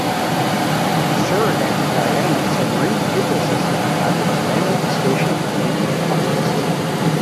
The Surinam-Guyana Submarine Cable System has its landing station in Totness.